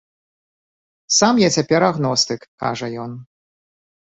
Сам я цяпер агностык, кажа ён.